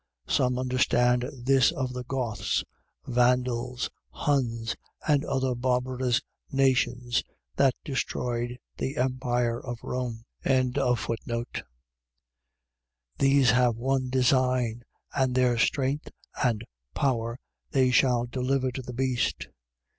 Some understand this of the Goths, Vandals, Huns, and other barbarous nations, that destroyed the empire of Rome. 17:13. These have one design: and their strength and power they shall deliver to the beast.